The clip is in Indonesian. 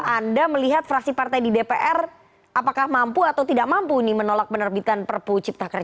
anda melihat fraksi partai di dpr apakah mampu atau tidak mampu menolak penerbitan perpu cipta kerja